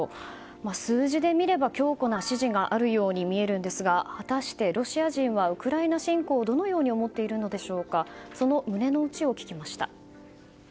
数字で見れば強固な支持があるように見えるんですが果たしてロシア人はウクライナ侵攻をどのように思っているのかその胸の内を聞きました。